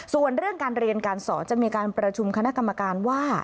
ส่วนเรื่องการเรียนการสอนจะมีการประชุมคณะกรรมการว่า